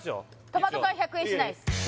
トマト缶１００円しないです